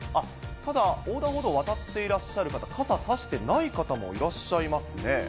ただ、横断歩道渡っていらっしゃる方、傘差してない方もいらっしゃいますね。